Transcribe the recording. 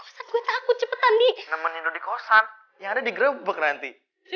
sampai jumpa di video selanjutnya